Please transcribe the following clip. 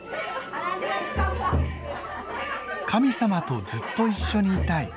「神様とずっと一緒にいたい」。